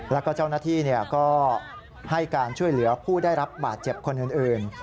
แล้วก็เจ้าหน้าที่ก็ให้การช่วยเหลือผู้ได้รับบาดเจ็บคนอื่น